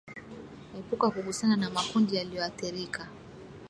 Epuka kugusana na makundi yaliyoathirika